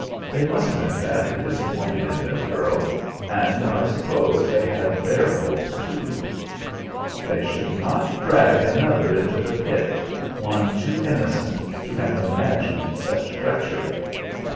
"They must have been badly disappointed in their girl, and I suppose they had their 'hopes,' too." "They should not drag another into the pit, one too innocent to have imagined such treachery."